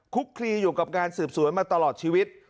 คลีอยู่กับการสืบสวนมาตลอดชีวิต